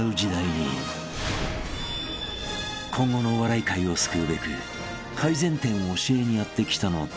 ［今後のお笑い界を救うべく改善点を教えにやって来たのだが］